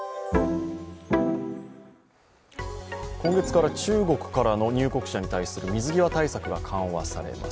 今月から中国からの入国者に対する水際対策が緩和されます。